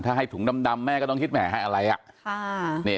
ถ้าให้ถุงดำดำแม่ก็ต้องคิดแม่ให้อะไรอ่ะค่ะเนี่ย